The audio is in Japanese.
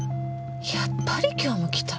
やっぱり今日も来た。